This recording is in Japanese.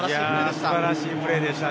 素晴らしいプレーでした。